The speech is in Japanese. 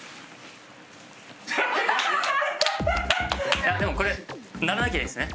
いやでもこれ鳴らなきゃいいんですよね。